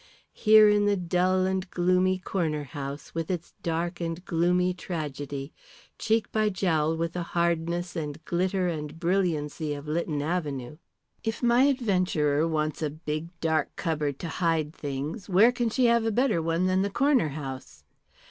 "Here in the dull and gloomy Corner House, with its dark and gloomy tragedy, cheek by jowl with the hardness and glitter and brilliancy of Lytton Avenue. If my adventurer wants a big dark cupboard to hide things, where can she have a better one than the Corner House!